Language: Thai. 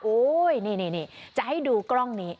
นี่จะให้ดูกล้องนี้